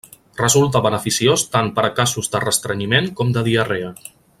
Resulta beneficiós tant per a casos de restrenyiment com de diarrea.